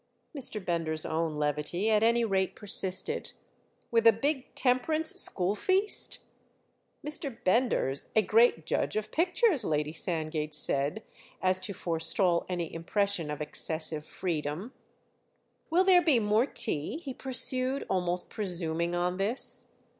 Mr. Bender's own levity at any rate persisted. "With a big Temperance school feast?" "Mr. Bender's a great judge of pictures," Lady Sandgate said as to forestall any impression of excessive freedom. "Will there be more tea?" he pursued, almost presuming on this.